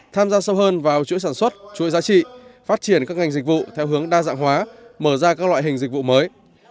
tham gia sâu hơn vào chuỗi sản xuất chuỗi giá trị phát triển các ngành dịch vụ theo hướng đa dạng hóa mở ra các loại hình dịch vụ mới